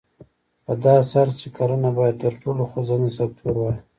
په داسې حال کې چې کرنه باید تر ټولو خوځنده سکتور وای.